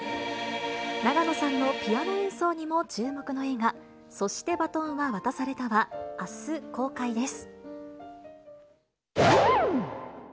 永野さんのピアノ演奏にも注目の映画、そして、バトンは渡されたは、あす公開です。